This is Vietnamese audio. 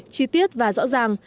chi tiết và rõ ràng